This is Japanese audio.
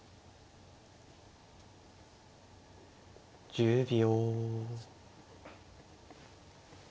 １０秒。